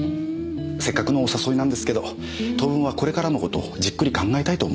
せっかくのお誘いなんですけど当分はこれからの事じっくり考えたいと思います。